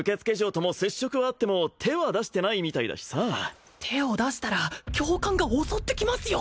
とも接触はあっても手は出してないみたいだしさ手を出したら教官が襲ってきますよ